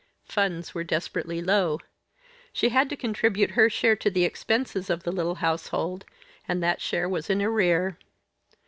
Funds were desperately low. She had to contribute her share to the expenses of the little household, and that share was in arrear.